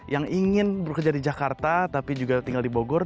yang ingin bekerja di jakarta tapi juga tinggal di bogor